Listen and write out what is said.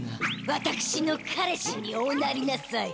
わたくしの彼氏におなりなさい！